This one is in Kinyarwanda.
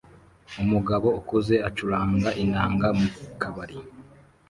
Umugabo ukuze acuranga inanga mu kabari